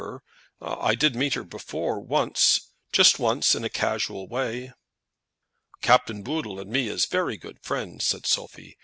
I did meet her once before, just once, in a casual way." "Captain Booddle and me is very good friends," said Sophie.